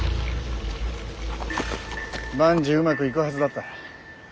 万事うまくいくはずだった。